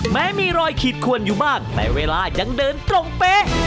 แม้มีรอยขีดขวนอยู่บ้างแต่เวลายังเดินตรงเป๊ะ